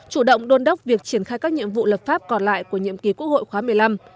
chủ động đôn đốc việc triển khai các nhiệm vụ lập pháp còn lại của nhiệm kỳ quốc hội khóa một mươi năm